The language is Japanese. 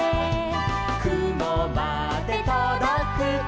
「くもまでとどくか」